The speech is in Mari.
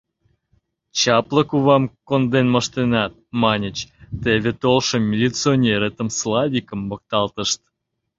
«Чапле кувам конден моштенат», — маньыч, теве толшо милиционеретым, Славикым, мокталтышт...